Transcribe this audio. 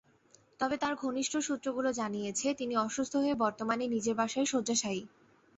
তবে তাঁর ঘনিষ্ঠ সূত্রগুলো জানিয়েছে, তিনি অসুস্থ হয়ে বর্তমানে নিজের বাসায় শয্যাশায়ী।